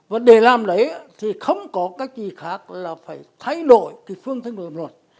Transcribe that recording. và để làm đấy thì không có cách gì khác là phải thay đổi cái phương thức luật